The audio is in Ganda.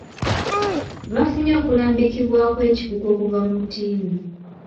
Baafunye okulambikibwa okw'ekikugu okuva ku ttiimu.